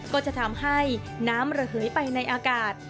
ก็จะทำให้น้ำระเหยไปในอากาศ